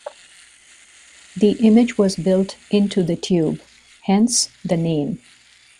The image was built into the tube, hence the name.